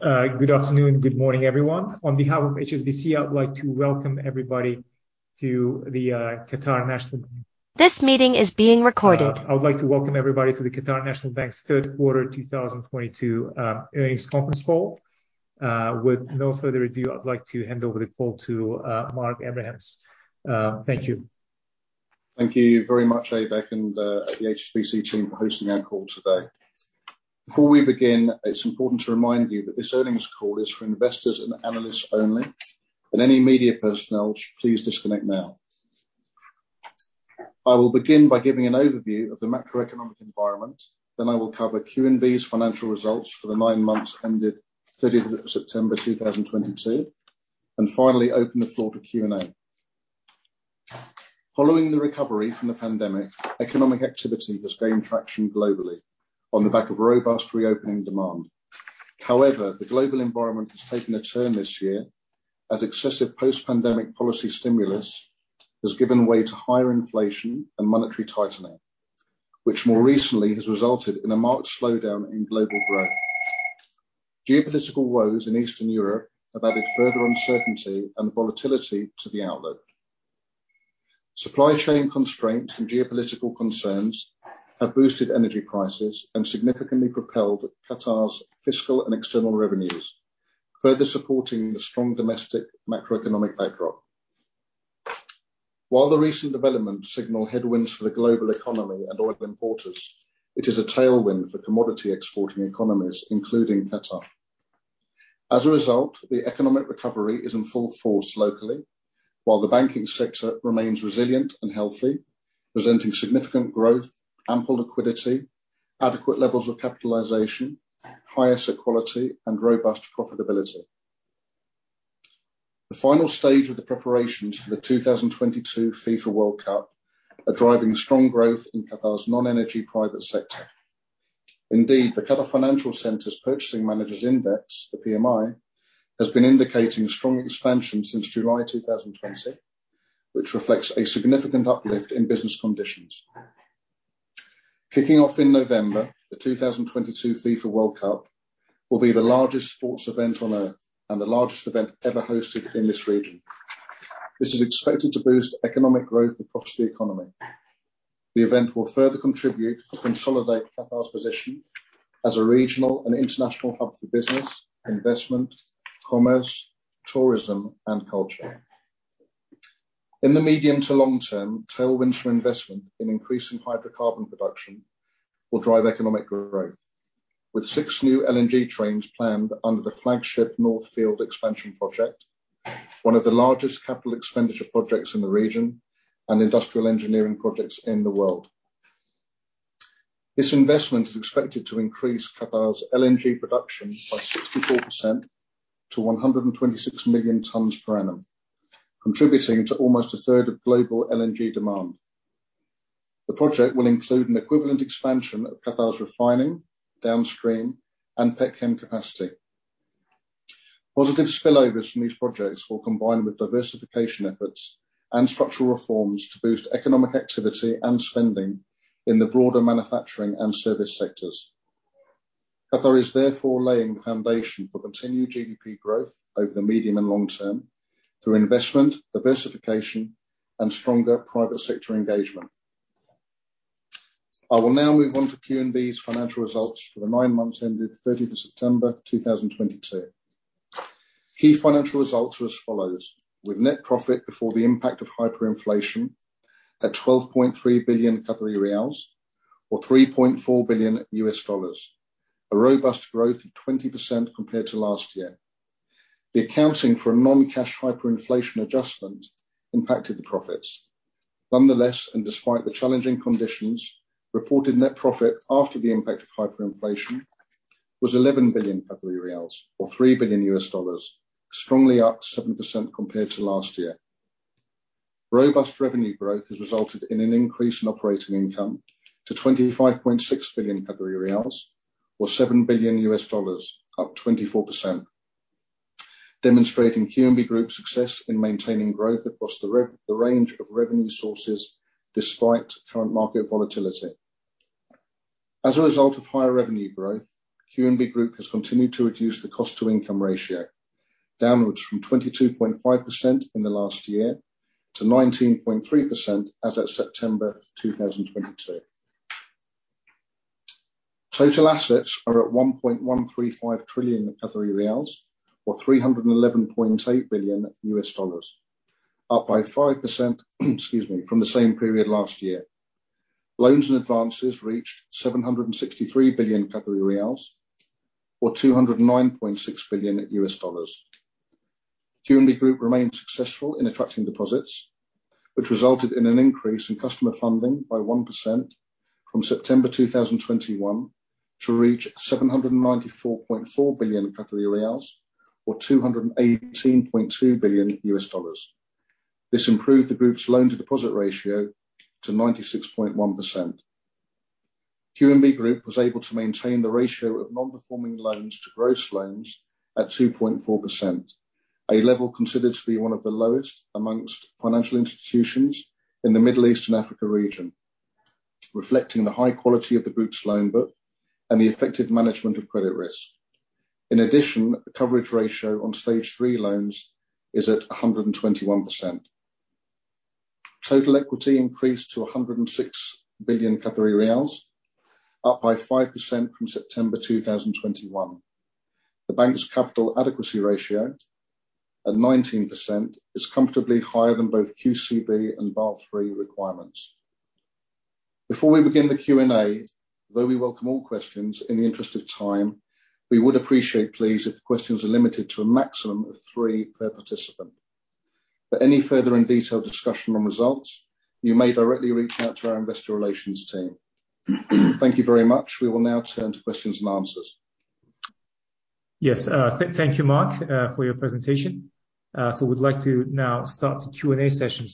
Good afternoon, good morning, everyone. On behalf of HSBC, I would like to welcome everybody to the Qatar National- This meeting is being recorded. I would like to welcome everybody to the Qatar National Bank's third quarter 2022 earnings conference call. With no further ado, I'd like to hand over the call to Mark Abrahams. Thank you. Thank you very much, Aybek, and the HSBC team for hosting our call today. Before we begin, it's important to remind you that this earnings call is for investors and analysts only, and any media personnel should please disconnect now. I will begin by giving an overview of the macroeconomic environment, then I will cover QNB's financial results for the nine months ended 30 of September, 2022, and finally open the floor for Q&A. Following the recovery from the pandemic, economic activity has gained traction globally on the back of robust reopening demand. However, the global environment has taken a turn this year, as excessive post-pandemic policy stimulus has given way to higher inflation and monetary tightening, which more recently has resulted in a marked slowdown in global growth. Geopolitical woes in Eastern Europe have added further uncertainty and volatility to the outlook. Supply chain constraints and geopolitical concerns have boosted energy prices and significantly propelled Qatar's fiscal and external revenues, further supporting the strong domestic macroeconomic backdrop. While the recent developments signal headwinds for the global economy and oil importers, it is a tailwind for commodity-exporting economies, including Qatar. As a result, the economic recovery is in full force locally, while the banking sector remains resilient and healthy, presenting significant growth, ample liquidity, adequate levels of capitalization, high asset quality, and robust profitability. The final stage of the preparations for the 2022 FIFA World Cup are driving strong growth in Qatar's non-energy private sector. Indeed, the Qatar Financial Centre's Purchasing Managers' Index, the PMI, has been indicating strong expansion since July 2020, which reflects a significant uplift in business conditions. Kicking off in November, the 2022 FIFA World Cup will be the largest sports event on Earth and the largest event ever hosted in this region. This is expected to boost economic growth across the economy. The event will further contribute to consolidate Qatar's position as a regional and international hub for business, investment, commerce, tourism, and culture. In the medium to long term, tailwinds from investment in increasing hydrocarbon production will drive economic growth. With six new LNG trains planned under the flagship North Field Expansion project, one of the largest capital expenditure projects in the region and industrial engineering projects in the world. This investment is expected to increase Qatar's LNG production by 64% to 126 million tons per annum, contributing to almost a third of global LNG demand. The project will include an equivalent expansion of Qatar's refining, downstream, and petchem capacity. Positive spillovers from these projects will combine with diversification efforts and structural reforms to boost economic activity and spending in the broader manufacturing and service sectors. Qatar is therefore laying the foundation for continued GDP growth over the medium and long term through investment, diversification, and stronger private sector engagement. I will now move on to QNB's financial results for the nine months ended 30 of September 2022. Key financial results are as follows. With net profit before the impact of hyperinflation at 12.3 billion Qatari riyals, or $3.4 billion, a robust growth of 20% compared to last year. The accounting for a non-cash hyperinflation adjustment impacted the profits. Nonetheless, despite the challenging conditions, reported net profit after the impact of hyperinflation was 11 billion Qatari riyals, or $3 billion, strongly up 7% compared to last year. Robust revenue growth has resulted in an increase in operating income to 25.6 billion Qatari riyals, or $7 billion, up 24%, demonstrating QNB Group's success in maintaining growth across the range of revenue sources despite current market volatility. As a result of higher revenue growth, QNB Group has continued to reduce the cost-to-income ratio, downwards from 22.5% in the last year to 19.3% as at September 2022. Total assets are at 1.135 trillion Qatari riyals, or $311.8 billion, up by 5% from the same period last year. Loans and advances reached 763 billion Qatari riyals, or $209.6 billion. QNB Group remains successful in attracting deposits, which resulted in an increase in customer funding by 1% from September 2021 to reach 794.4 billion Qatari riyals, or $218.2 billion. This improved the Group's loan-to-deposit ratio to 96.1%. QNB Group was able to maintain the ratio of non-performing loans to gross loans at 2.4%, a level considered to be one of the lowest amongst financial institutions in the Middle East and Africa region, reflecting the high quality of the Group's loan book and the effective management of credit risk. In addition, the coverage ratio on Stage 3 loans is at 121%. Total equity increased to 106 billion Qatari riyals, up by 5% from September 2021. The bank's capital adequacy ratio, at 19%, is comfortably higher than both QCB and Basel III requirements. Before we begin the Q&A, though we welcome all questions, in the interest of time, we would appreciate, please, if questions are limited to a maximum of three per participant. For any further and detailed discussion on results, you may directly reach out to our investor relations team. Thank you very much. We will now turn to questions and answers. Yes. Thank you, Mark, for your presentation. We'd like to now start the Q&A session.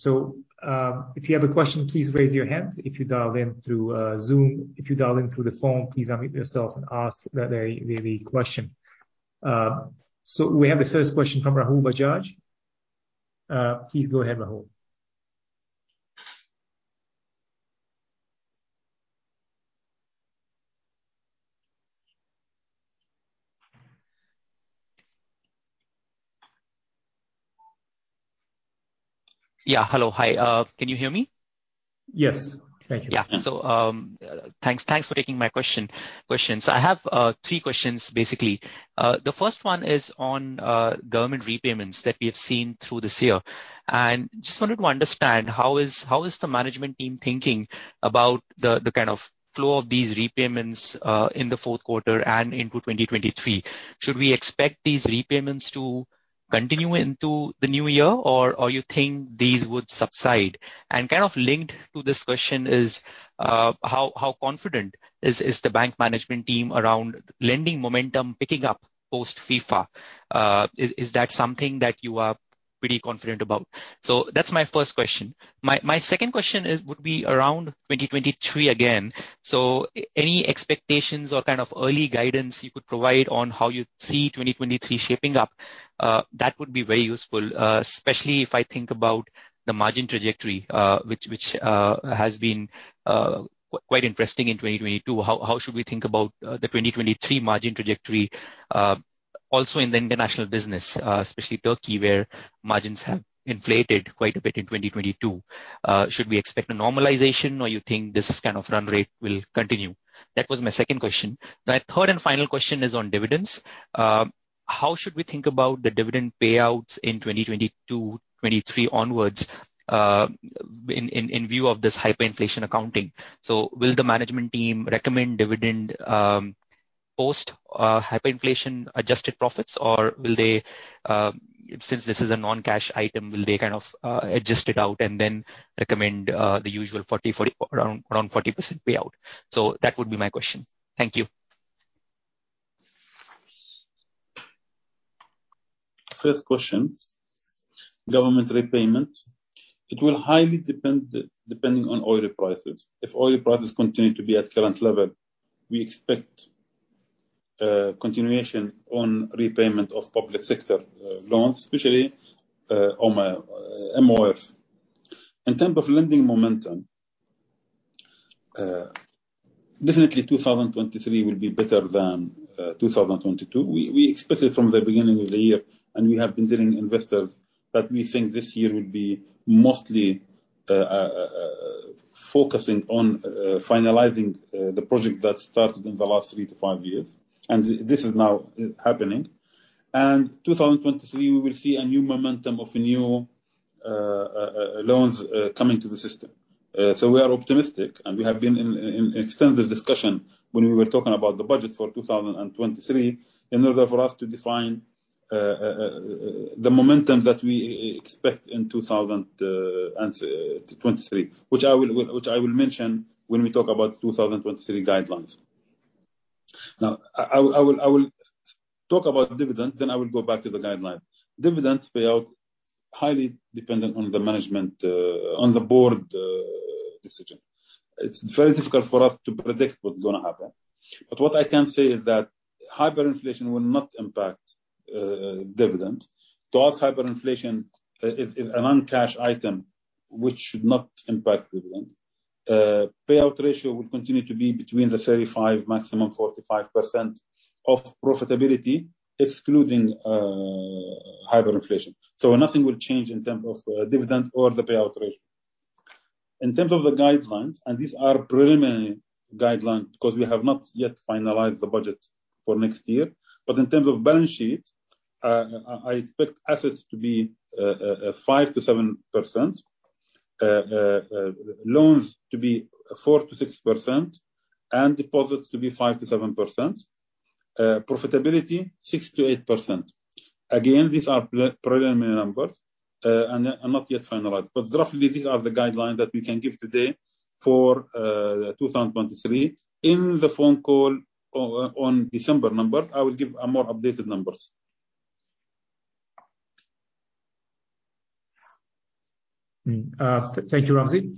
If you have a question, please raise your hand if you dial in through Zoom. If you dial in through the phone, please unmute yourself and ask the question. We have the first question from Rahul Bajaj. Please go ahead, Rahul. Hello. Hi. Can you hear me? Yes. Thank you. Yes. Thanks for taking my question. I have three questions, basically. The first one is on government repayments that we have seen through this year. Just wanted to understand, how is the management team thinking about the kind of flow of these repayments in the fourth quarter and into 2023? Should we expect these repayments to continue into the new year, or you think these would subside? Kind of linked to this question is, how confident is the bank management team around lending momentum picking up post FIFA? Is that something that you are pretty confident about? That's my first question. My second question would be around 2023 again. Any expectations or kind of early guidance you could provide on how you see 2023 shaping up, that would be very useful, especially if I think about the margin trajectory, which has been quite interesting in 2022. How should we think about the 2023 margin trajectory? Also in the international business, especially Turkey, where margins have inflated quite a bit in 2022. Should we expect a normalization, or you think this kind of run rate will continue? That was my second question. My third and final question is on dividends. How should we think about the dividend payouts in 2023 onwards in view of this hyperinflation accounting? Will the management team recommend dividend, post hyperinflation adjusted profits, or since this is a non-cash item, will they kind of adjust it out and then recommend the usual around 40% payout? That would be my question. Thank you. First question, government repayment. It will highly depend on oil prices. If oil prices continue to be at current level, we expect continuation on repayment of public sector loans, especially MOF. In terms of lending momentum, definitely 2023 will be better than 2022. We expected from the beginning of the year, and we have been telling investors that we think this year will be mostly focusing on finalizing the project that started in the last three to five years, and this is now happening. 2023, we will see a new momentum of new loans coming to the system. We are optimistic, and we have been in extensive discussion when we were talking about the budget for 2023, in order for us to define the momentum that we expect in 2023, which I will mention when we talk about 2023 guidelines. I will talk about dividends. I will go back to the guideline. Dividends payout, highly dependent on the board decision. It's very difficult for us to predict what's going to happen. What I can say is that hyperinflation will not impact dividends. Towards hyperinflation, it's a non-cash item, which should not impact dividend. Payout ratio will continue to be between 35%-45% of profitability, excluding hyperinflation. Nothing will change in terms of dividend or the payout ratio. In terms of the guidelines, these are preliminary guidelines because we have not yet finalized the budget for next year. In terms of balance sheet, I expect assets to be 5%-7%, loans to be 4%-6%, and deposits to be 5%-7%. Profitability, 6%-8%. Again, these are preliminary numbers, are not yet finalized. Roughly, these are the guidelines that we can give today for 2023. In the phone call on December numbers, I will give more updated numbers. Thank you, Ramzi.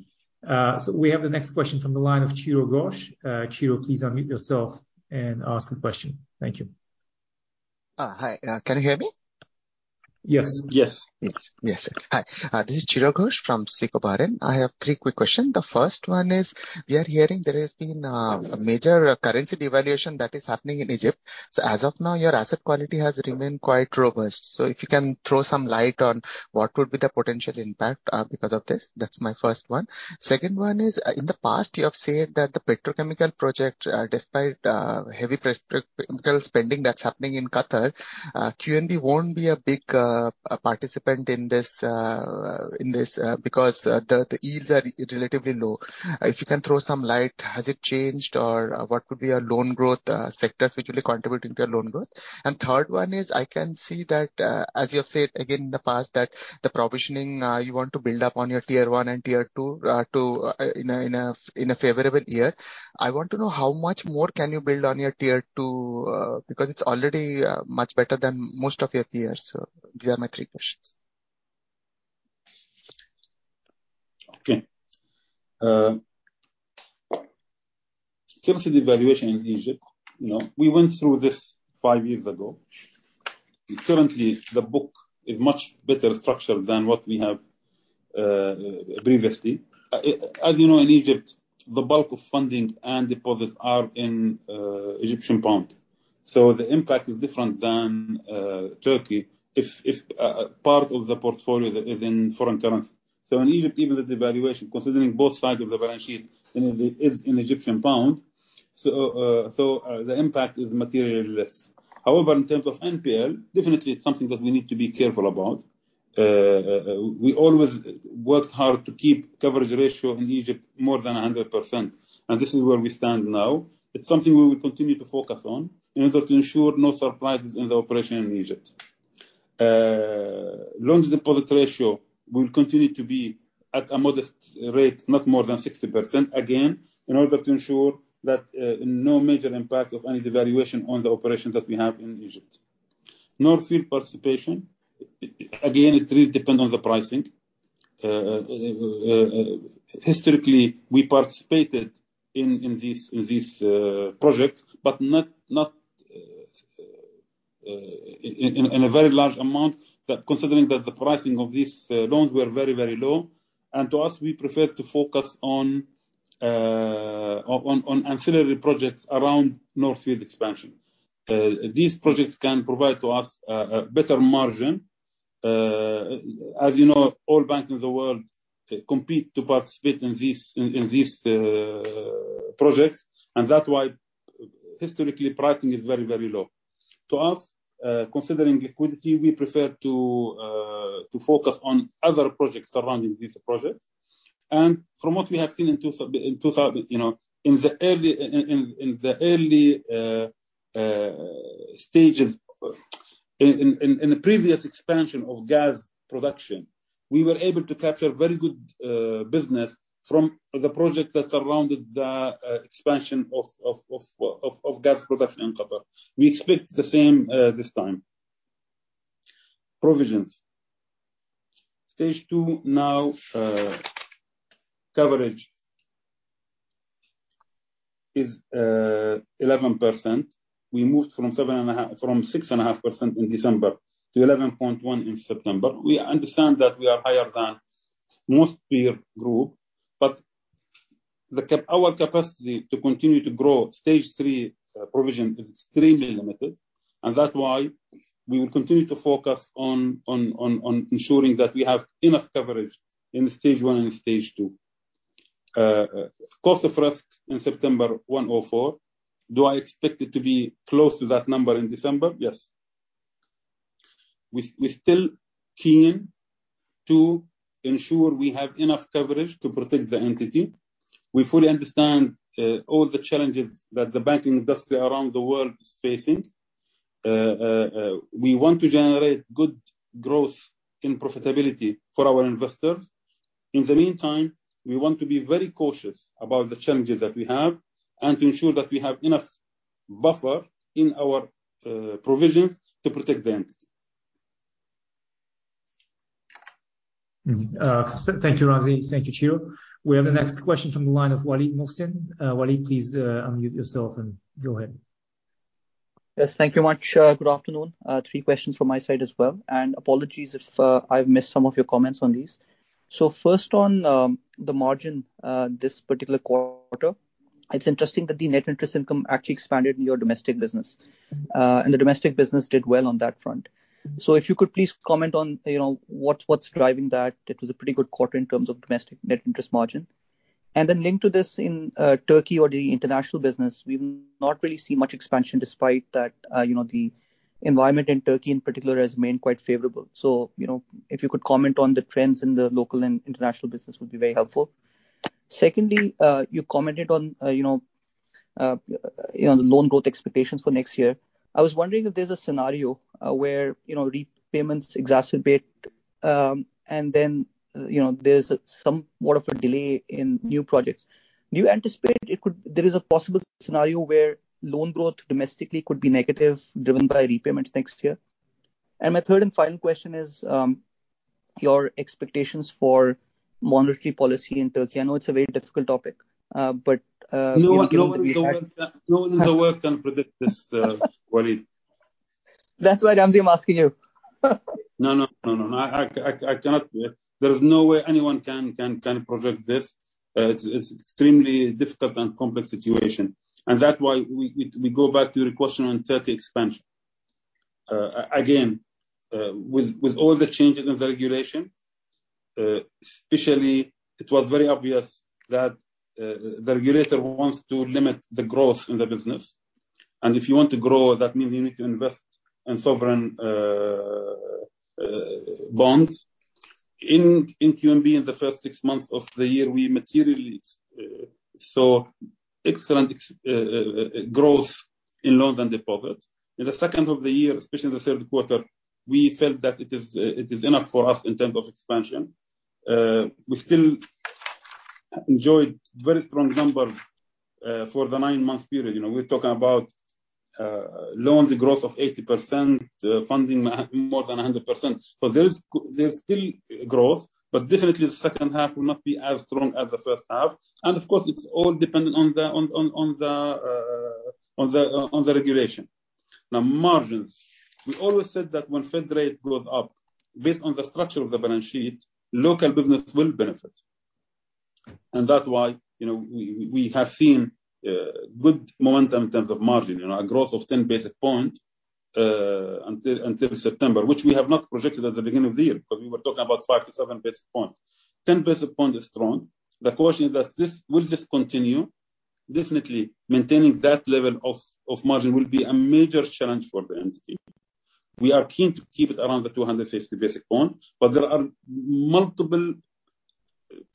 We have the next question from the line of Chiradeep Ghosh. Chiro, please unmute yourself and ask the question. Thank you. Hi, can you hear me? Yes. Yes. Yes. Hi, this is Chirag Ghosh from SICO. I have three quick questions. The first one is, we are hearing there has been a major currency devaluation that is happening in Egypt. As of now, your asset quality has remained quite robust. If you can throw some light on what would be the potential impact because of this? That's my first one. Second one is, in the past, you have said that the petrochemical project, despite heavy petrochemical spending that's happening in Qatar, QNB won't be a big participant in this, because, the yields are relatively low. If you can throw some light, has it changed or what would be a loan growth, sectors which will contribute into your loan growth? Third one is, I can see that, as you have said again in the past, that the provisioning, you want to build up on your tier 1 and tier 2, in a favorable year. I want to know how much more can you build on your tier 2, because it's already much better than most of your peers. These are my three questions. Okay. Currency devaluation in Egypt. We went through this five years ago. Currently, the book is much better structured than what we have previously. As you know, in Egypt, the bulk of funding and deposits are in Egyptian pound. The impact is different than Turkey if part of the portfolio that is in foreign currency. In Egypt, even with the devaluation, considering both sides of the balance sheet is in Egyptian pound, the impact is materially less. However, in terms of NPL, definitely it's something that we need to be careful about. We always worked hard to keep coverage ratio in Egypt more than 100%, and this is where we stand now. It's something we will continue to focus on in order to ensure no surprise is in the operation in Egypt. Loan deposit ratio will continue to be at a modest rate, not more than 60%, again, in order to ensure that no major impact of any devaluation on the operations that we have in Egypt. North Field participation, again, it really depends on the pricing. Historically, we participated in this project, but not in a very large amount, considering that the pricing of these loans were very low. To us, we prefer to focus on ancillary projects around North Field Expansion. These projects can provide to us a better margin. As you know, all banks in the world compete to participate in these projects, and that's why historically pricing is very low. To us, considering liquidity, we prefer to focus on other projects surrounding these projects. From what we have seen in the early stages, in the previous expansion of gas production, we were able to capture very good business from the projects that surrounded the expansion of gas production in Qatar. We expect the same this time. Provisions. Stage 2 now, coverage is 11%. We moved from 6.5% in December to 11.1% in September. We understand that we are higher than most peer group, but our capacity to continue to grow Stage 3 provision is extremely limited, and that's why we will continue to focus on ensuring that we have enough coverage in stage 1 and Stage 2. Cost of risk in September, 104. Do I expect it to be close to that number in December? Yes. We're still keen to ensure we have enough coverage to protect the entity. We fully understand all the challenges that the banking industry around the world is facing. We want to generate good growth in profitability for our investors. In the meantime, we want to be very cautious about the challenges that we have and to ensure that we have enough buffer in our provisions to protect the entity. Thank you, Ramzi. Thank you, Chirag Ghosh. We have the next question from the line of Waleed Mohsin. Waleed, please unmute yourself and go ahead. Thank you much. Good afternoon. Three questions from my side as well. Apologies if I've missed some of your comments on these. First on the margin, this particular quarter, it's interesting that the net interest income actually expanded in your domestic business. The domestic business did well on that front. If you could please comment on what's driving that? It was a pretty good quarter in terms of domestic net interest margin. Linked to this in Turkey or the international business, we've not really seen much expansion despite that the environment in Turkey in particular has remained quite favorable. If you could comment on the trends in the local and international business, would be very helpful. Secondly, you commented on the loan growth expectations for next year. I was wondering if there's a scenario where repayments exacerbate, and then there's somewhat of a delay in new projects. Do you anticipate there is a possible scenario where loan growth domestically could be negative, driven by repayments next year? My third and final question is your expectations for monetary policy in Turkey. I know it's a very difficult topic. No one in the world can predict this, Waleed. That's why, Ramzi, I'm asking you. No, I cannot. There is no way anyone can predict this. It's extremely difficult and complex situation. That why we go back to your question on Turkey expansion. Again, with all the changes in the regulation, especially it was very obvious that the regulator wants to limit the growth in the business. If you want to grow, that means you need to invest in sovereign bonds. In QNB, in the first 6 months of the year, we materially saw excellent growth in loans and deposits. In the second half of the year, especially in the third quarter, we felt that it is enough for us in terms of expansion. We still enjoyed very strong numbers for the 9-month period. We're talking about loans growth of 80%, funding more than 100%. There's still growth, but definitely the second half will not be as strong as the first half. Of course, it's all dependent on the regulation. Now, margins. We always said that when Fed rate goes up, based on the structure of the balance sheet, local business will benefit. That's why we have seen good momentum in terms of margin. A growth of 10 basis points until September, which we have not projected at the beginning of the year, because we were talking about 5 to 7 basis points. 10 basis points is strong. The question is, will this continue? Definitely maintaining that level of margin will be a major challenge for the entity. We are keen to keep it around the 250 basis points, but there are multiple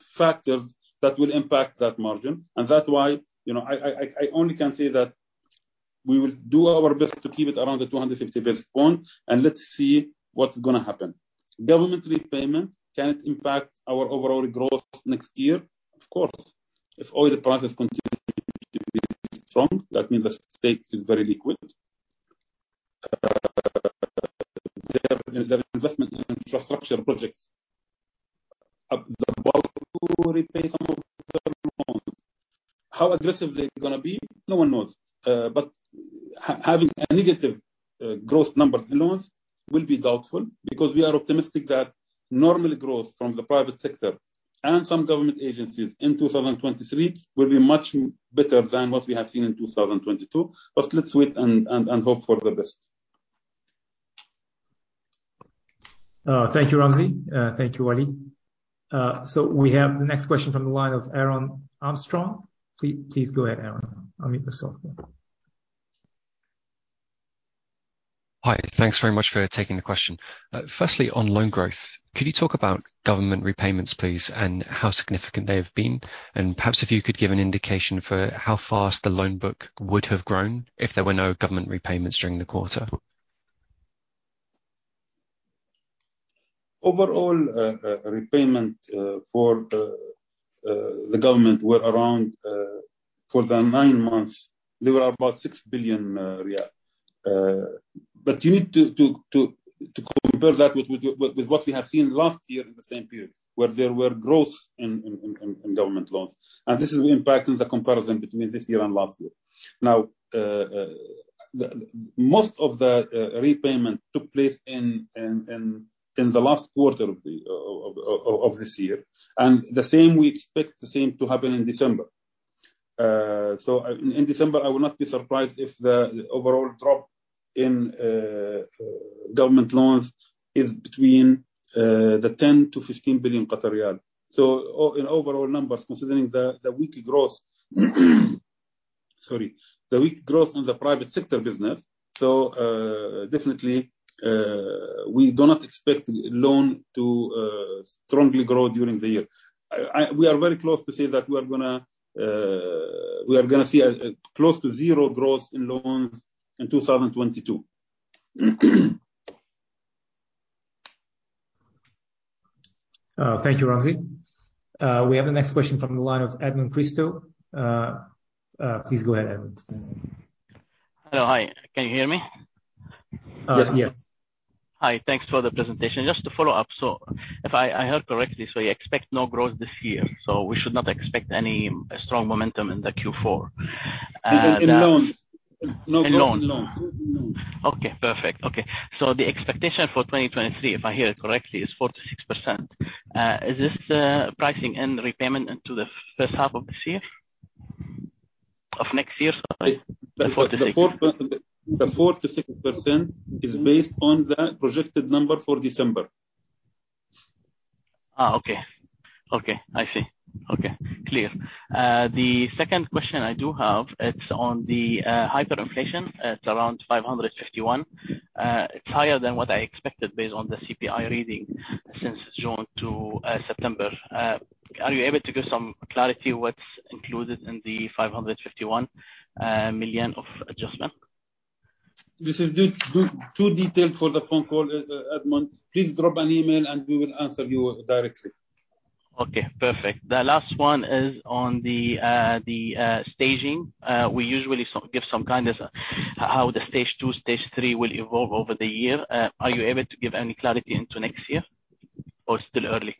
factors that will impact that margin. That's why I only can say that we will do our best to keep it around the 250 basis points, and let's see what's going to happen. Government repayment, can it impact our overall growth next year? Of course. If oil prices continue to be strong, that means the state is very liquid. Their investment in infrastructure projects, they're about to repay some of their loans. How aggressive they're going to be, no one knows. Having a negative growth number in loans will be doubtful, because we are optimistic that normal growth from the private sector and some government agencies in 2023 will be much better than what we have seen in 2022. Let's wait and hope for the best. Thank you, Ramzi. Thank you, Waleed. We have the next question from the line of Aaron Armstrong. Please go ahead, Aaron. Unmute yourself. Hi. Thanks very much for taking the question. Firstly, on loan growth, could you talk about government repayments, please, and how significant they have been? Perhaps if you could give an indication for how fast the loan book would have grown if there were no government repayments during the quarter. Overall, repayment for the government were around, for the nine months, they were about 6 billion riyal. You need to compare that with what we have seen last year in the same period, where there were growth in government loans. This is impacting the comparison between this year and last year. Now, most of the repayment took place in the last quarter of this year. We expect the same to happen in December. In December, I will not be surprised if the overall drop in government loans is between 10 billion-15 billion riyal. In overall numbers, considering the weak growth in the private sector business, so definitely, we do not expect loan to strongly grow during the year. We are very close to say that we are going to see close to zero growth in loans in 2022. Thank you, Ramzi. We have the next question from the line of Edmond Dantès. Please go ahead, Edmund. Hello. Hi. Can you hear me? Yes. Hi. Thanks for the presentation. Just to follow up, if I heard correctly, you expect no growth this year, we should not expect any strong momentum in the Q4. In loans. No growth in loans. In loans. Okay, perfect. The expectation for 2023, if I hear it correctly, is 4%-6%. Is this pricing and repayment into the first half of this year? Of next year, sorry. The 4%-6% is based on the projected number for December. Okay. I see. Okay. Clear. The second question I do have, it's on the hyperinflation. It's around 551. It's higher than what I expected based on the CPI reading since June to September. Are you able to give some clarity what's included in the 551 million of adjustment? This is too detailed for the phone call, Edmond. Please drop an email, we will answer you directly. Okay, perfect. The last one is on the staging. We usually give some guidance on how the Stage 2, Stage 3 will evolve over the year. Are you able to give any clarity into next year, it's still early?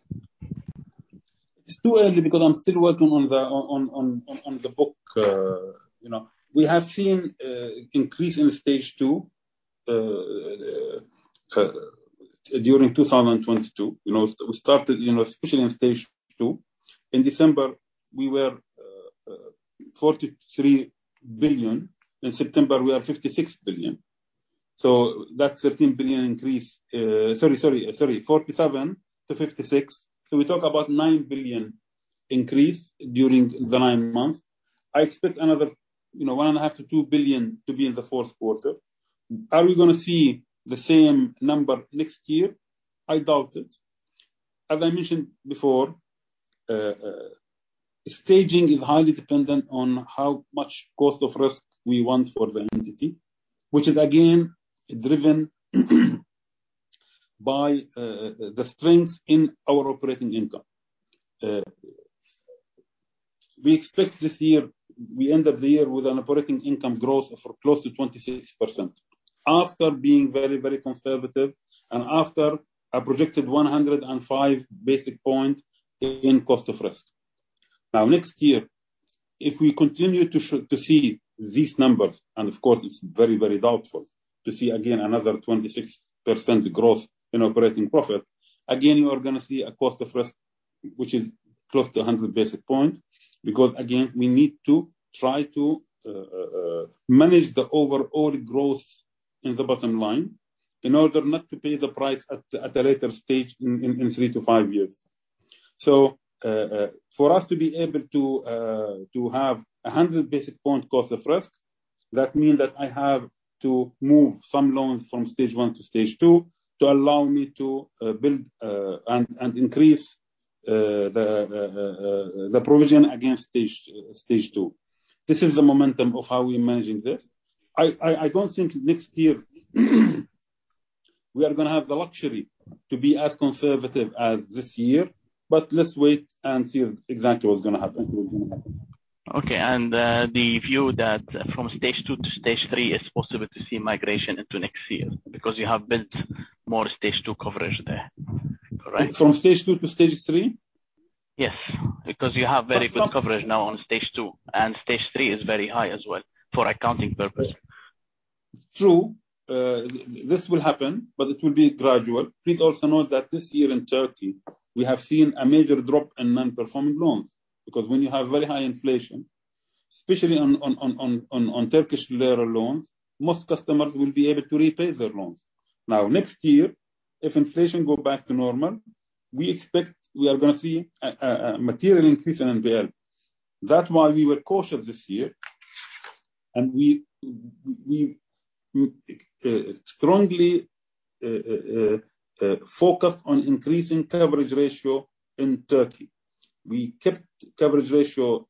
It's too early because I'm still working on the book. We have seen increase in Stage 2, during 2022. We started, especially in Stage 2. In December, we were 43 billion. In September, we are 56 billion. That's 13 billion increase. Sorry, 47 billion to 56 billion. We talk about 9 billion increase during the nine months. I expect another 1.5 billion to 2 billion to be in the fourth quarter. Are we going to see the same number next year? I doubt it. As I mentioned before, staging is highly dependent on how much cost of risk we want for the entity, which is again driven by the strength in our operating income. We expect this year, we end up the year with an operating income growth of close to 26%, after being very, very conservative and after a projected 105 basis points in cost of risk. Next year, if we continue to see these numbers, and of course, it's very, very doubtful to see again another 26% growth in operating profit. Again, you are going to see a cost of risk which is close to 100 basis points, because again, we need to try to manage the overall growth in the bottom line in order not to pay the price at a later stage in 3-5 years. For us to be able to have 100 basis points cost of risk, that mean that I have to move some loans from stage 1 to Stage 2 to allow me to build, and increase the provision against Stage 2. This is the momentum of how we're managing this. I don't think next year we are going to have the luxury to be as conservative as this year, but let's wait and see exactly what's going to happen. Okay. The view that from Stage 2 to Stage 3, it's possible to see migration into next year because you have built more Stage 2 coverage there. Correct? From Stage 2 to Stage 3? Yes, because you have very good coverage now on Stage 2, and Stage 3 is very high as well for accounting purpose. True. It will be gradual. Please also note that this year in Turkey, we have seen a major drop in non-performing loans because when you have very high inflation, especially on Turkish lira loans, most customers will be able to repay their loans. Next year, if inflation go back to normal, we expect we are going to see a material increase in NPL. We were cautious this year, and we strongly focused on increasing coverage ratio in Turkey. We kept coverage ratio,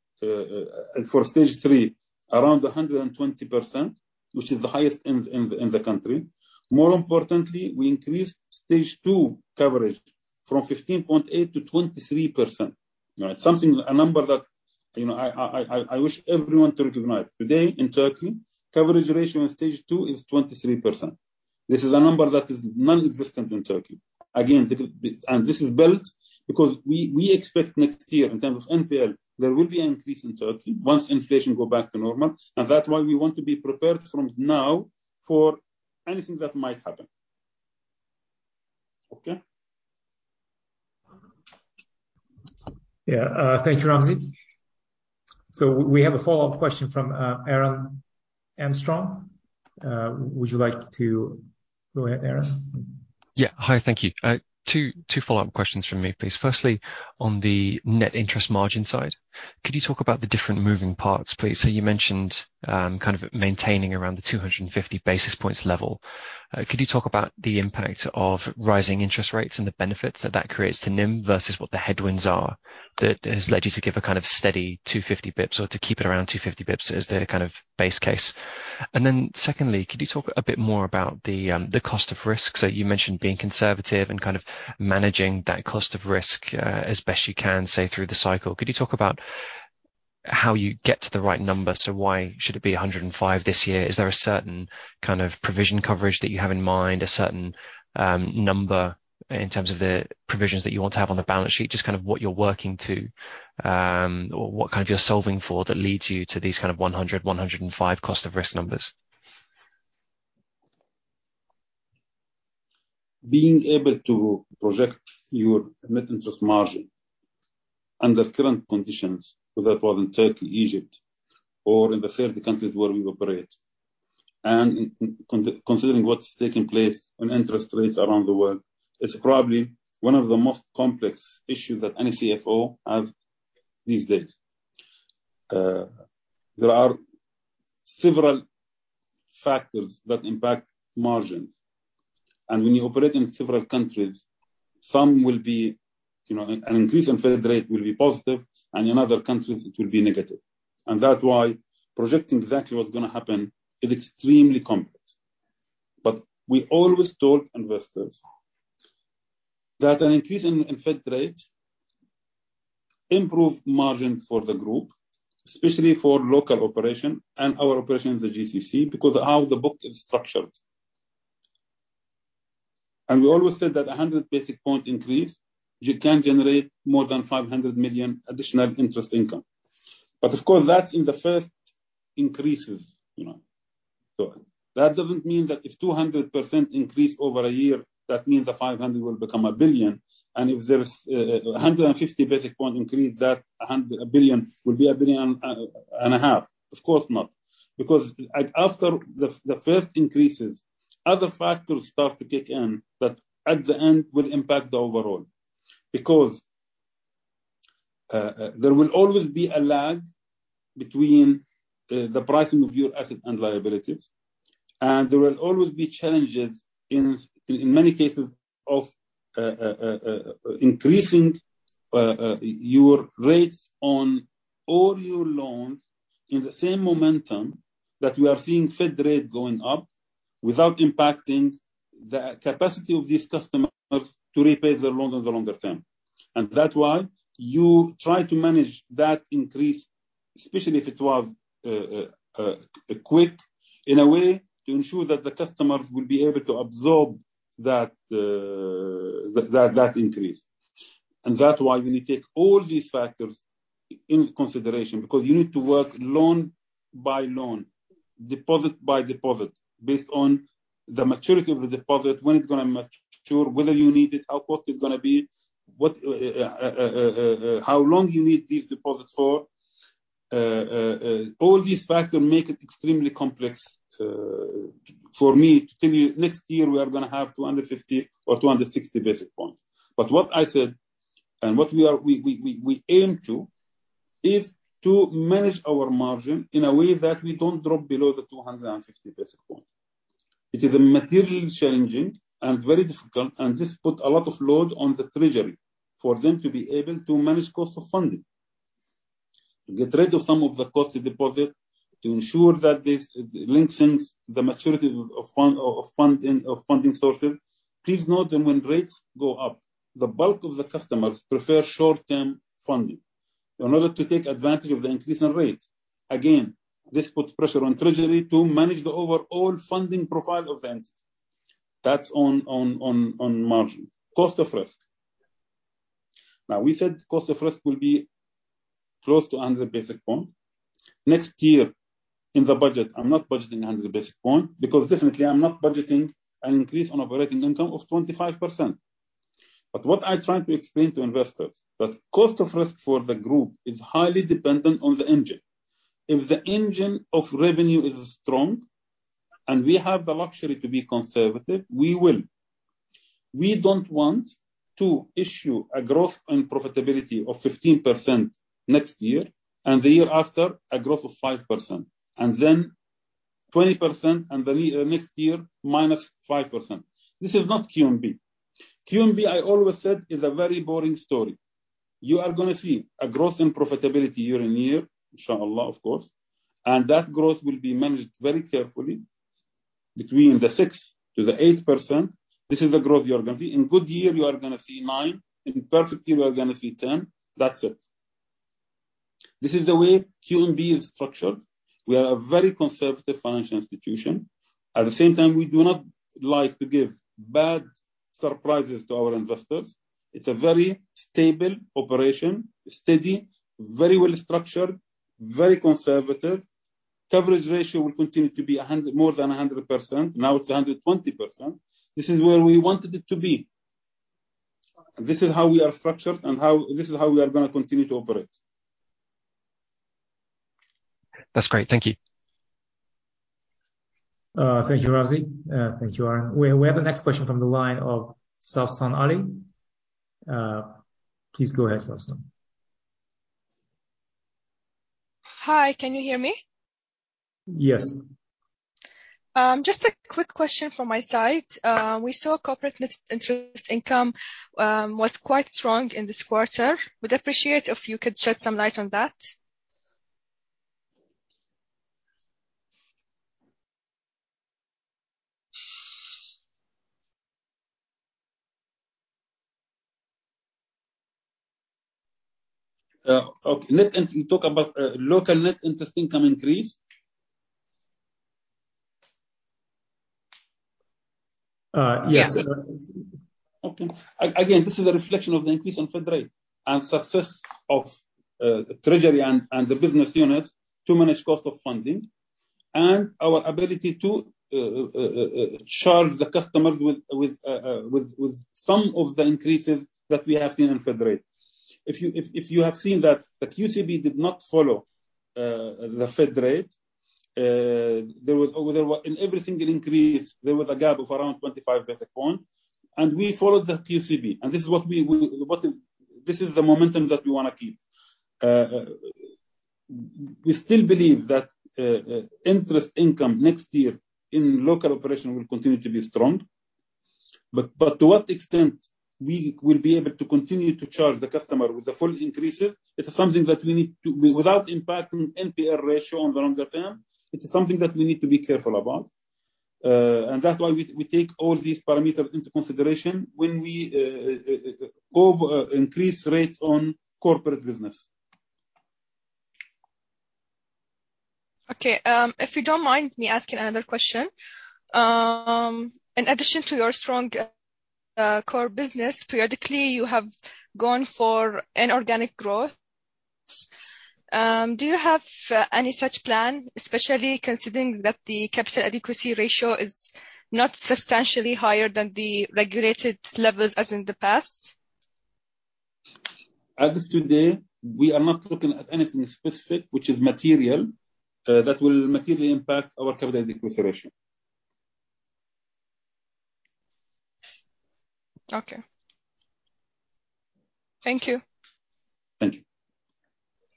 for Stage 3, around 120%, which is the highest in the country. More importantly, we increased Stage 2 coverage from 15.8 to 23%. Something, a number that I wish everyone to recognize. Today in Turkey, coverage ratio in Stage 2 is 23%. This is a number that is nonexistent in Turkey. This is built because we expect next year in terms of NPL, there will be an increase in Turkey once inflation go back to normal, we want to be prepared from now for anything that might happen. Okay? Thank you, Ramzi. We have a follow-up question from Aaron Armstrong. Would you like to go ahead, Aaron? Yeah. Hi, thank you. Two follow-up questions from me, please. Firstly, on the net interest margin side, could you talk about the different moving parts, please? You mentioned, kind of maintaining around the 250 basis points level. Could you talk about the impact of rising interest rates and the benefits that that creates to NIM versus what the headwinds are that has led you to give a kind of steady 250 BPS or to keep it around 250 BPS as the kind of base case? Secondly, could you talk a bit more about the cost of risk? You mentioned being conservative and kind of managing that cost of risk, as best you can, say, through the cycle. Could you talk about how you get to the right number? Why should it be 105 this year? Is there a certain kind of provision coverage that you have in mind, a certain number in terms of the provisions that you want to have on the balance sheet? Just kind of what you're working to, or what kind of you're solving for that leads you to these kind of 100, 105 cost of risk numbers. Being able to project your net interest margin under current conditions, whether it was in Turkey, Egypt, or in the 30 countries where we operate, and considering what's taking place on interest rates around the world, it's probably one of the most complex issue that any CFO have these days. There are several factors that impact margins. When you operate in several countries, some will be, an increase in Fed rate will be positive, and in other countries it will be negative. That's why projecting exactly what's going to happen is extremely complex. We always told investors that an increase in Fed rate improve margins for the group, especially for local operation and our operation in the GCC, because of how the book is structured. We always said that 100 basis point increase, you can generate more than 500 million additional interest income. Of course, that's in the first increases. That doesn't mean that if 200% increase over a year, that means the 500 will become 1 billion, and if there is 150 basis point increase, that 1 billion will be QAR a billion and a half. Of course not. After the first increases, other factors start to kick in that at the end will impact the overall. There will always be a lag between the pricing of your asset and liabilities, and there will always be challenges in many cases of increasing your rates on all your loans in the same momentum that we are seeing Fed rate going up without impacting the capacity of these customers to repay the loan in the longer term. That's why you try to manage that increase, especially if it was quick, in a way to ensure that the customers will be able to absorb that increase. That's why we need to take all these factors into consideration, because you need to work loan by loan, deposit by deposit, based on the maturity of the deposit, when it's going to mature, whether you need it, how costly it's going to be, how long you need these deposits for. All these factors make it extremely complex for me to tell you next year, we are going to have 250 or 260 basis points. What I said, and what we aim to, is to manage our margin in a way that we don't drop below the 260 basis points. It is materially challenging and very difficult and this put a lot of load on the treasury for them to be able to manage cost of funding, to get rid of some of the cost of deposit, to ensure that this lengthens the maturity of funding sources. Please note that when rates go up, the bulk of the customers prefer short-term funding in order to take advantage of the increase in rate. Again, this puts pressure on treasury to manage the overall funding profile of the entity. That's on margin. Cost of risk. Now, we said cost of risk will be close to 100 basis points. Next year in the budget, I'm not budgeting 100 basis points because definitely I'm not budgeting an increase on operating income of 25%. What I try to explain to investors, that cost of risk for the group is highly dependent on the engine. If the engine of revenue is strong and we have the luxury to be conservative, we will. We don't want to issue a growth and profitability of 15% next year, and the year after, a growth of 5%, and then 20%, and the next year, minus 5%. This is not QNB. QNB, I always said, is a very boring story. You are going to see a growth in profitability year-on-year, inshallah, of course, and that growth will be managed very carefully between the 6%-8%. This is the growth you are going to see. In good year, you are going to see nine. In perfect year, we are going to see 10. That's it. This is the way QNB is structured. We are a very conservative financial institution. At the same time, we do not like to give bad surprises to our investors. It's a very stable operation, steady, very well-structured, very conservative. Coverage ratio will continue to be more than 100%. Now it's 120%. This is where we wanted it to be. This is how we are structured, and this is how we are going to continue to operate. That's great. Thank you. Thank you, Ramzi. Thank you. We have the next question from the line of Sawsan Ali. Please go ahead, Sawsan. Hi, can you hear me? Yes. Just a quick question from my side. We saw corporate net interest income was quite strong in this quarter. Would appreciate if you could shed some light on that. Okay. Let me talk about local net interest income increase. Yes. Okay. Again, this is a reflection of the increase in Fed rate and success of treasury and the business units to manage cost of funding and our ability to charge the customers with some of the increases that we have seen in Fed rate. If you have seen that the QCB did not follow the Fed rate, in every single increase, there was a gap of around 25 basis points, we followed the QCB. This is the momentum that we want to keep. We still believe that interest income next year in local operation will continue to be strong to what extent we will be able to continue to charge the customer with the full increases, without impacting NPL ratio on the longer term, it is something that we need to be careful about. That's why we take all these parameters into consideration when we increase rates on corporate business. Okay. If you don't mind me asking another question. In addition to your strong core business, periodically you have gone for inorganic growth. Do you have any such plan, especially considering that the capital adequacy ratio is not substantially higher than the regulated levels as in the past? As of today, we are not looking at anything specific, which is material, that will materially impact our capital adequacy ratio. Okay. Thank you. Thank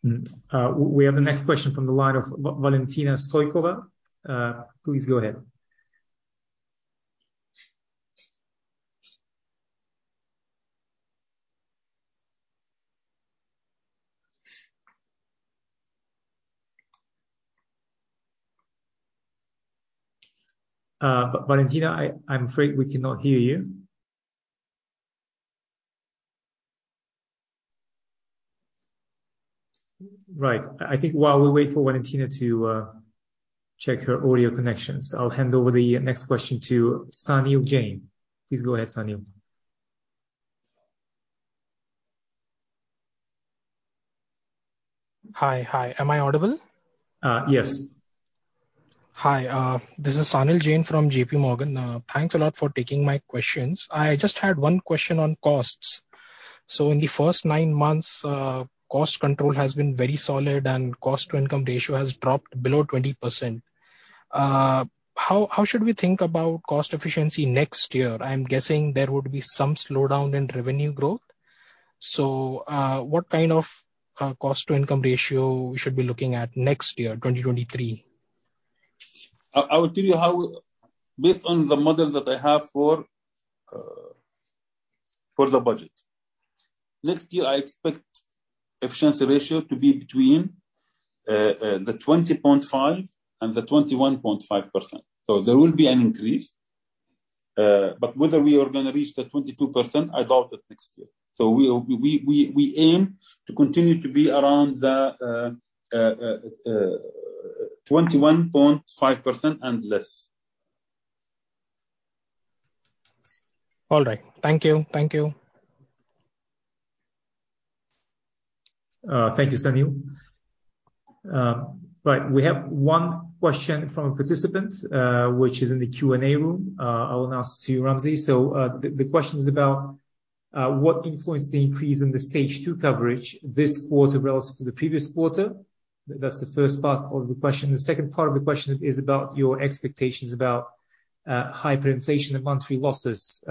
you. We have the next question from the line of Valentina Stoykova. Please go ahead. Valentina, I'm afraid we cannot hear you. Right. I think while we wait for Valentina to check her audio connections, I'll hand over the next question to Saneel Jain. Please go ahead, Saneel. Hi. Am I audible? Yes. Hi. This is Saneel Jain from JP Morgan. Thanks a lot for taking my questions. I just had one question on costs. In the first nine months, cost control has been very solid and cost-to-income ratio has dropped below 20%. How should we think about cost efficiency next year? I'm guessing there would be some slowdown in revenue growth. What kind of cost-to-income ratio we should be looking at next year, 2023? I will tell you how, based on the models that I have for the budget. Next year, I expect efficiency ratio to be between the 20.5 and the 21.5%, so there will be an increase. Whether we are going to reach the 22%, I doubt it next year. We aim to continue to be around the 21.5% and less. All right. Thank you. Thank you, Saneel. Right, we have one question from a participant, which is in the Q&A room. I'll ask to you, Ramzi. The question is about what influenced the increase in the Stage 2 coverage this quarter relative to the previous quarter? That is the first part of the question. The second part of the question is about your expectations about hyperinflation and monetary losses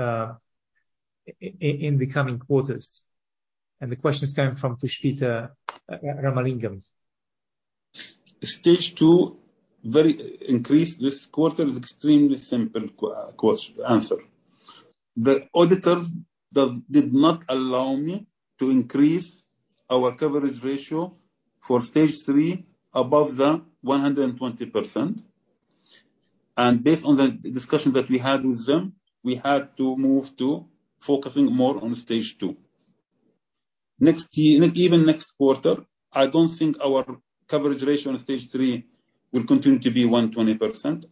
in the coming quarters. The questions came from Pushpita Ramalingam. Stage 2 increase this quarter is extremely simple answer. The auditors did not allow me to increase our coverage ratio for Stage 3 above the 120%. Based on the discussion that we had with them, we had to move to focusing more on Stage 2. Even next quarter, I don't think our coverage ratio on Stage 3 will continue to be 120%.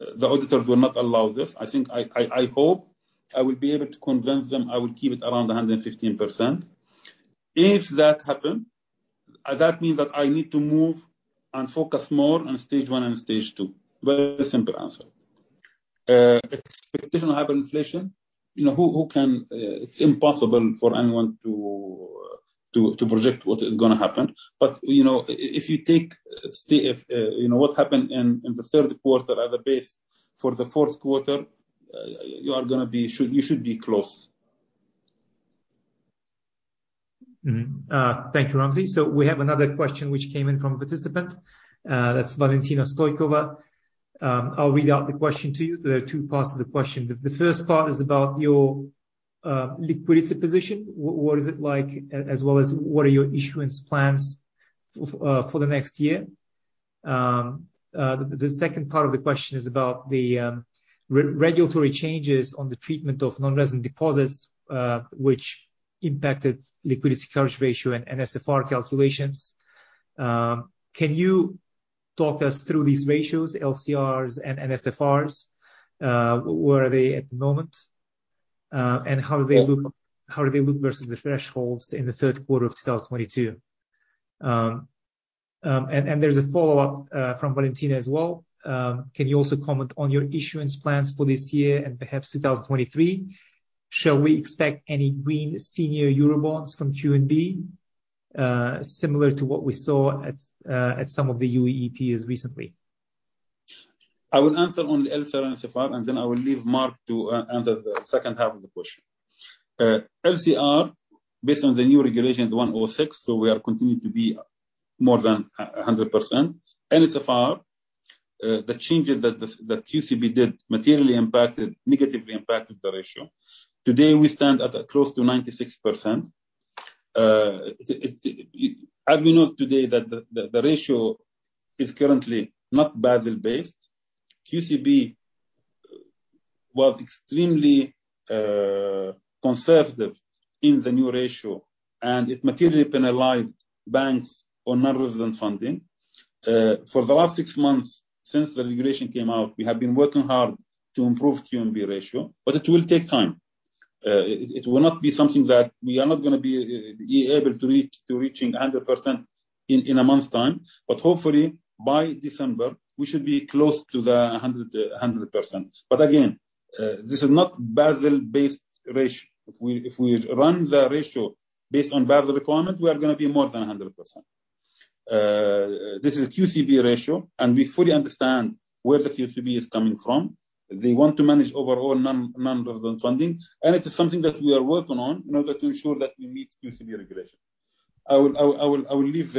The auditors will not allow this. I hope I will be able to convince them I will keep it around 115%. If that happen, that means that I need to move and focus more on Stage 1 and Stage 2. Very simple answer. Expectation of hyperinflation, it's impossible for anyone to project what is going to happen. If you take what happened in the third quarter as a base for the fourth quarter, you should be close. Mm-hmm. Thank you, Ramzi. We have another question which came in from a participant. That is Valentina Stoykova. I'll read out the question to you. There are two parts to the question. The first part is about your liquidity position, what is it like, as well as what are your issuance plans for the next year? The second part of the question is about the regulatory changes on the treatment of non-resident deposits, which impacted liquidity coverage ratio and NSFR calculations. Can you talk us through these ratios, LCRs and NSFRs? Where are they at the moment, and how do they look versus the thresholds in the third quarter of 2022? There's a follow-up from Valentina as well. Can you also comment on your issuance plans for this year and perhaps 2023? Shall we expect any green senior Eurobonds from QNB similar to what we saw at some of the UAE banks recently? I will answer on the LCR and NSFR. I will leave Mark to answer the second half of the question. LCR, based on the new regulation, at 106, so we are continuing to be more than 100%. NSFR, the changes that QCB did materially impacted, negatively impacted the ratio. Today, we stand at close to 96%. I will note today that the ratio is currently not Basel-based. QCB was extremely conservative in the new ratio, and it materially penalized banks on non-resident funding. For the last six months since the regulation came out, we have been working hard to improve QNB ratio, but it will take time. It will not be something that we are not going to be able to reach 100% in a month's time. Hopefully by December, we should be close to the 100%. Again, this is not Basel-based ratio. If we run the ratio based on Basel requirement, we are going to be more than 100%. This is QCB ratio. We fully understand where the QCB is coming from. They want to manage overall non-resident funding, and it is something that we are working on in order to ensure that we meet QCB regulation. I will leave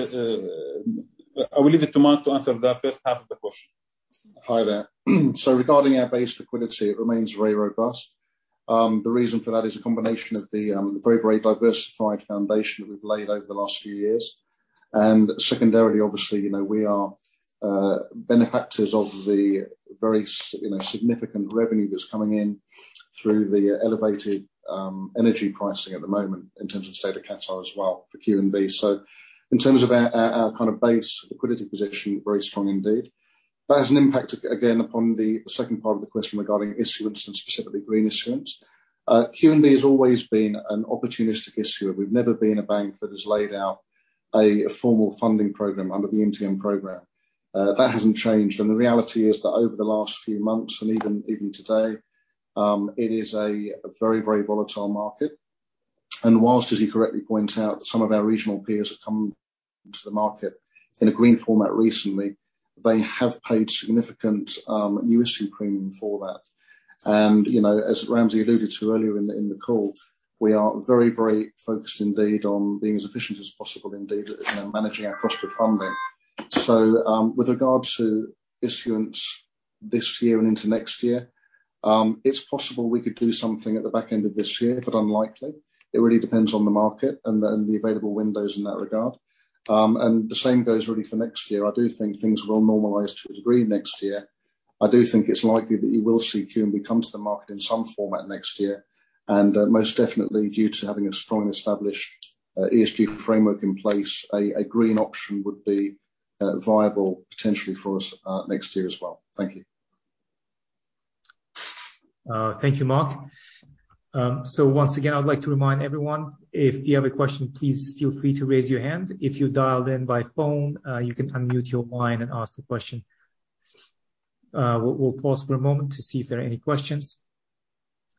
it to Mark to answer the first half of the question. Hi there. Regarding our base liquidity, it remains very robust. The reason for that is a combination of the very, very diversified foundation that we've laid over the last few years. Secondarily, obviously, we are benefactors of the very significant revenue that's coming in through the elevated energy pricing at the moment in terms of State of Qatar as well for QNB. In terms of our base liquidity position, very strong indeed. That has an impact, again, upon the second part of the question regarding issuance and specifically green issuance. QNB has always been an opportunistic issuer. We've never been a bank that has laid out a formal funding program under the MTN program. That hasn't changed. The reality is that over the last few months, and even today, it is a very, very volatile market. Whilst, as you correctly point out, some of our regional peers have come to the market in a green format recently, they have paid significant new issue premium for that. As Ramzi alluded to earlier in the call, we are very, very focused on being as efficient as possible, managing our cost of funding. With regards to issuance this year and into next year, it is possible we could do something at the back end of this year, but unlikely. It really depends on the market and the available windows in that regard. The same goes really for next year. I do think things will normalize to a degree next year. I do think it is likely that you will see QNB come to the market in some format next year. Most definitely, due to having a strong established ESG framework in place, a green option would be viable potentially for us next year as well. Thank you. Thank you, Mark. Once again, I would like to remind everyone, if you have a question, please feel free to raise your hand. If you dialed in by phone, you can unmute your line and ask the question. We will pause for a moment to see if there are any questions.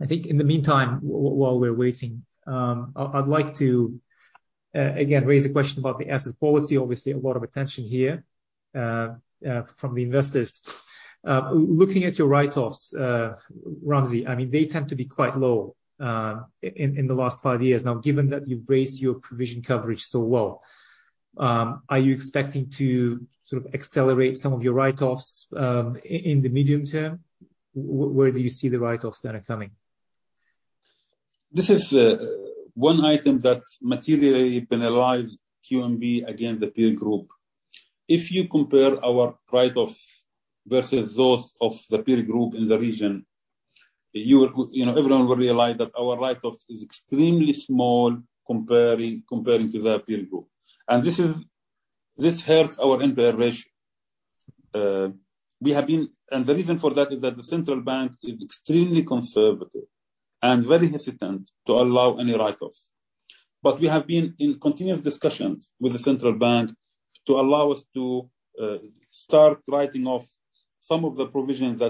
I think in the meantime, while we are waiting, I would like to, again, raise a question about the asset policy. Obviously, a lot of attention here from the investors. Looking at your write-offs, Ramzi, they tend to be quite low in the last five years. Given that you have raised your provision coverage so well, are you expecting to accelerate some of your write-offs in the medium term? Where do you see the write-offs that are coming? This is one item that materially penalized QNB against the peer group. If you compare our write-offs versus those of the peer group in the region, everyone will realize that our write-off is extremely small comparing to the peer group. This hurts our NPL ratio. The reason for that is that the Central Bank is extremely conservative and very hesitant to allow any write-offs. We have been in continuous discussions with the Central Bank to allow us to start writing off some of the provisions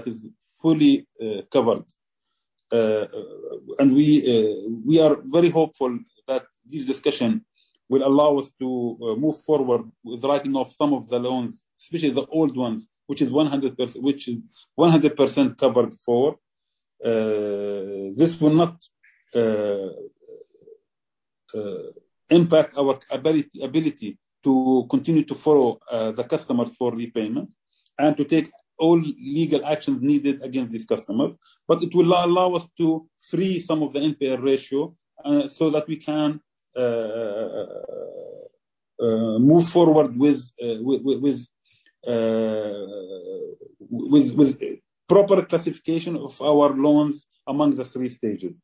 that is fully covered. We are very hopeful that this discussion will allow us to move forward with writing off some of the loans, especially the old ones, which is 100% covered for. This will not impact our ability to continue to follow the customer for repayment and to take all legal actions needed against this customer. It will allow us to free some of the NPL ratio so that we can move forward with proper classification of our loans among the 3 stages.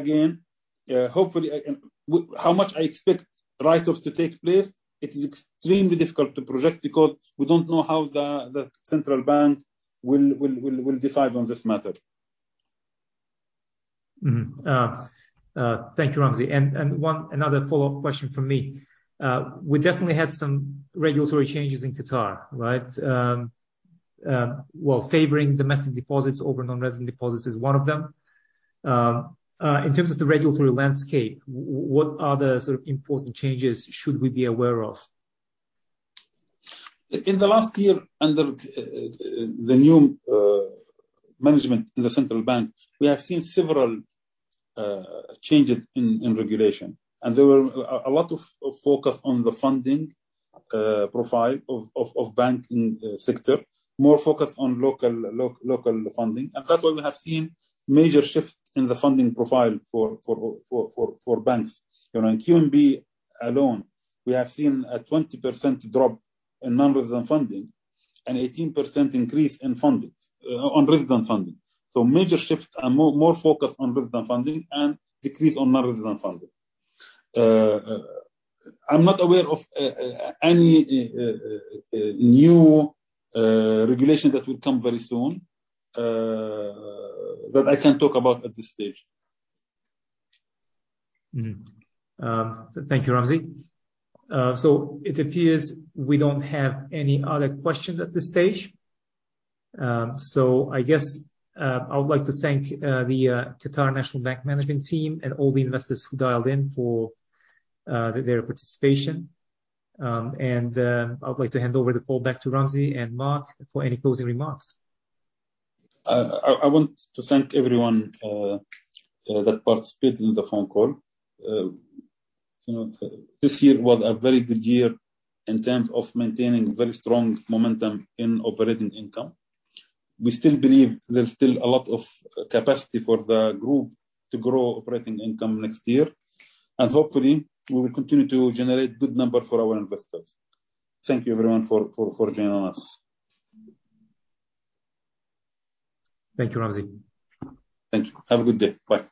Again, how much I expect write-offs to take place, it is extremely difficult to project because we don't know how the central bank will decide on this matter. Thank you, Ramzi. One another follow-up question from me. We definitely had some regulatory changes in Qatar, right? Favoring domestic deposits over non-resident deposits is one of them. In terms of the regulatory landscape, what other important changes should we be aware of? In the last year, under the new management in the central bank, we have seen several changes in regulation, and there were a lot of focus on the funding profile of bank sector, more focused on local funding. That is why we have seen major shift in the funding profile for banks. In QNB alone, we have seen a 20% drop in non-resident funding and 18% increase in resident funding. Major shifts are more focused on resident funding and decrease on non-resident funding. I'm not aware of any new regulation that will come very soon, that I can talk about at this stage. Thank you, Ramzi. It appears we don't have any other questions at this stage. I guess I would like to thank the Qatar National Bank management team and all the investors who dialed in for their participation. I would like to hand over the call back to Ramzi and Mark for any closing remarks. I want to thank everyone that participated in the phone call. This year was a very good year in terms of maintaining very strong momentum in operating income. We still believe there's still a lot of capacity for the Group to grow operating income next year. Hopefully, we will continue to generate good numbers for our investors. Thank you everyone for joining us. Thank you, Ramzi. Thank you. Have a good day. Bye.